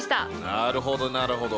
なるほどなるほど。